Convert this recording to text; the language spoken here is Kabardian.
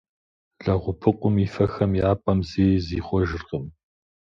Лэгъупыкъум и фэхэм я пӏэм зэи зихъуэжыркъым.